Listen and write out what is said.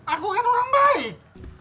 aku kan orang baik